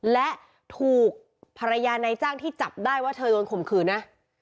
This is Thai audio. และถูกภรรยานายจ้างที่จับได้ว่าเธอโดนข่มขืนนะ